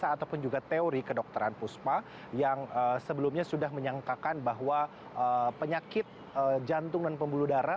ataupun juga teori kedokteran puspa yang sebelumnya sudah menyangkakan bahwa penyakit jantung dan pembuluh darah